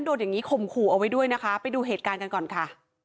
โดนอย่างนี้ข่มขู่เอาไว้ด้วยนะคะไปดูเหตุการณ์กันก่อนค่ะ